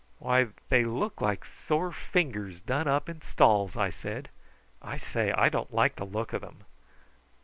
"Why, they look like sore fingers done up in stalls," he said. "I say, I don't like the look of them."